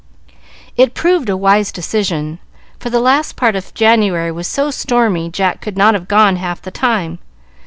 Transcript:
It proved a wise decision, for the last part of January was so stormy Jack could not have gone half the time.